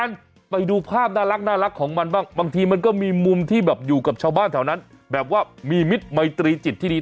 เรียนอารมณ์บ้างคุณผู้ชมไปที่จังหวัดลบบุรี